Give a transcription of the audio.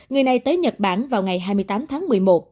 người này tới nhật bản vào ngày hai mươi tám tháng một mươi một